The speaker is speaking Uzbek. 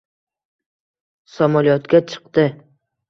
Samolyotga chiqdi